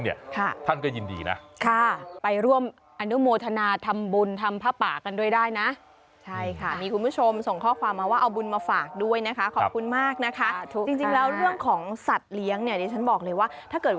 กลายเป็นหมาเป็นแมวจอดจัดยาวเฟ้ย